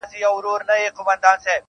د الماسو یو غمی یې وو ورکړی,